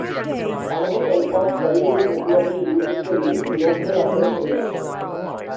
Another type of private networking uses the "link-local address range".